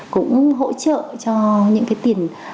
cũng hỗ trợ cho những cái tiền